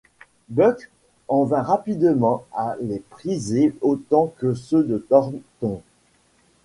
Buck en vint rapidement à les priser autant que ceux de Thornton.